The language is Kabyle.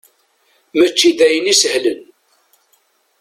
Mačči d ayen isehlen.